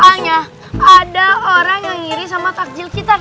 soalnya ada orang yang iri sama takdil kita